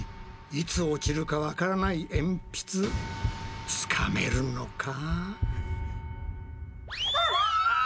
いつ落ちるかわからないえんぴつつかめるのか？